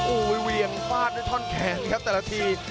โอ้โหเวียงฟาดด้วยท่อนแขนครับแต่ละที